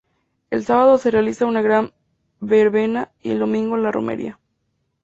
El sábado se realiza una Gran Verbena y el domingo la romería.